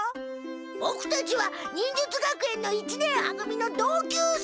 ボクたちは忍術学園の一年は組の同級生。